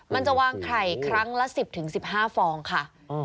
มันจะวางไข่ครั้งละ๑๐๑๕ฟองค่ะ